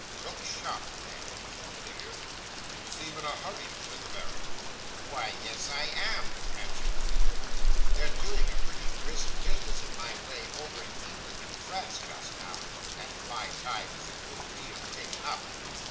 '"Look sharp then," said the figure. '"You seem in a hurry," said the baron. '"Why, yes, I am," answered the figure; "they're doing a pretty brisk business in my way, over in England and France just now, and my time is a good deal taken up."